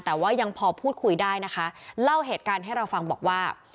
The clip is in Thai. แต่ว่ายังพอพูดคุยได้นะคะเล่าเหตุการณ์ให้เราฟังบอกว่า